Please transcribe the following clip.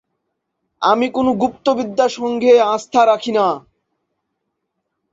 আমি কোন গুপ্তবিদ্যা-সঙ্ঘে আস্থা রাখি না।